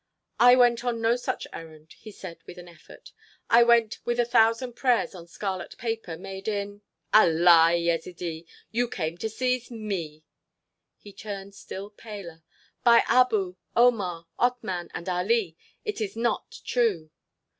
"I went on no such errand," he said with an effort. "I went with a thousand prayers on scarlet paper made in——" "A lie, Yezidee! You came to seize me!" He turned still paler. "By Abu, Omar, Otman, and Ali, it is not true!"